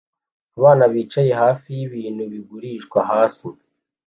Abana bicaye hafi y'ibintu bigurishwa hasi